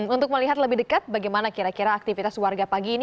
untuk melihat lebih dekat bagaimana kira kira aktivitas warga pagi ini